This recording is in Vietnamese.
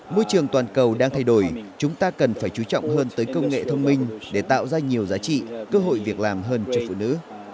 môi trường toàn cầu đang thay đổi chúng ta cần phải chú trọng hơn tới công nghệ thông minh để tạo ra nhiều giá trị cơ hội việc làm hơn cho phụ nữ